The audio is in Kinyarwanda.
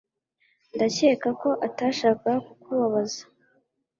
Ndakeka ko atashakaga kukubabaza